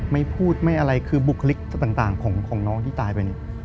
ไม่พูดไม่อะไรคือบุคลิกต่างของน้องที่ตายไปเนี่ย